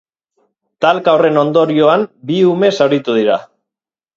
Talka horren ondorioan bi ume zauritu dira.